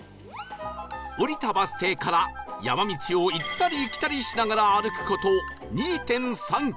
降りたバス停から山道を行ったり来たりしながら歩く事 ２．３ キロ